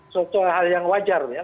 suatu hal yang wajar ya